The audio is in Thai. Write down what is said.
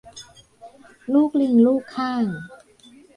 ลูกลิงลูกค่าง